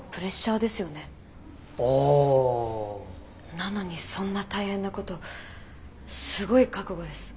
なのにそんな大変なことすごい覚悟です。